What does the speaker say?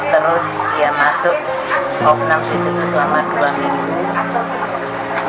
terus dia masuk opnang disitu selama dua minggu